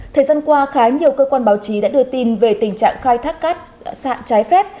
thời gian qua khá nhiều cơ quan báo chí đã đưa tin về tình trạng khai thác cát sạn trái phép